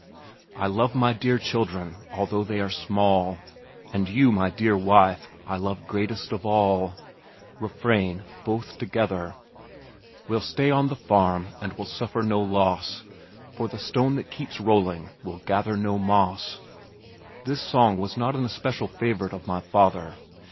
I love my dear children although they are small And you, my dear wife, I love greatest of all. Refrain (both together) We'll stay on the farm and we'll suffer no loss For the stone that keeps rolling will gather no moss. This song was not an especial favorite of my father.